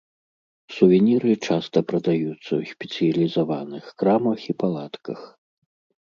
Сувеніры часта прадаюцца ў спецыялізаваных крамах і палатках.